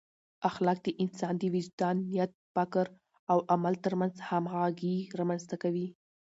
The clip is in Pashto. اخلاق د انسان د وجدان، نیت، فکر او عمل ترمنځ همغږي رامنځته کوي.